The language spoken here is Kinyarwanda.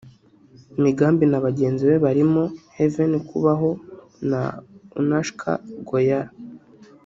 Migambi na bagenzi be barimo Heaven Kubaho na Anoushka Goyal